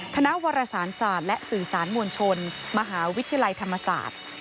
วรสารศาสตร์และสื่อสารมวลชนมหาวิทยาลัยธรรมศาสตร์